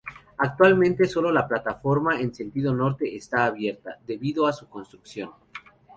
Actualmente sólo la plataforma en sentido norte está abierta, debido a su construcción.